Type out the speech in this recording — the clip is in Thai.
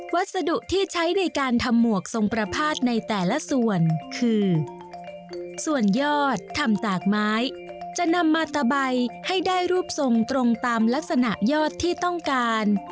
วัสดุที่ใช้ในการทำหมวกทรงประพาทในแต่ละส่วนคือส่วนยอดทำตากไม้จะนำมาตะใบให้ได้รูปทรงตรงตามลักษณะยอดที่ต้องการ